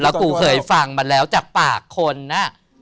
กูเคยฟังมาแล้วจากปากคนน่ะ